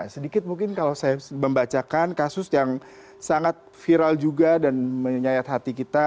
sedikit mungkin kalau saya membacakan kasus yang sangat viral juga dan menyayat hati kita